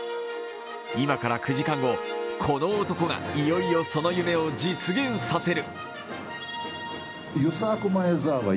今から９時間後、この男がいよいよその夢を実現させる。